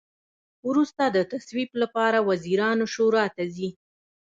وروسته د تصویب لپاره وزیرانو شورا ته ځي.